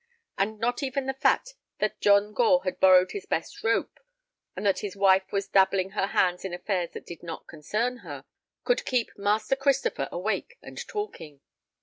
And not even the facts that John Gore had borrowed his best rope and that his wife was dabbling her hands in affairs that did not concern her could keep Master Christopher awake and talking.